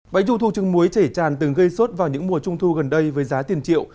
bánh trung thu trứng muối chảy tràn từng gây sốt vào những mùa trung thu gần đây với giá tiền triệu